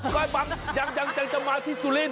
ก็ให้บังยังจะมาที่สุรินทร์